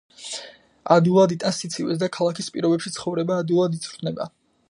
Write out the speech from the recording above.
ადვილად იტანს სიცივეს და ქალაქის პირობებში ცხოვრება, ადვილად იწვრთნება.